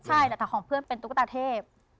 ใช่แต่ของเพื่อนเป็นตุ๊กตาเทพ